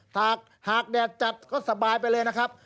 หากแดดจัดก็สบายไปเลยนะครับ